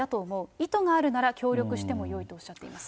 意図があるなら協力してもよいとおっしゃっています。